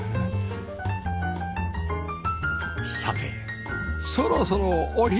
さてそろそろお昼。